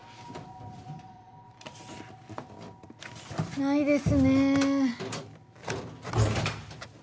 ないですね。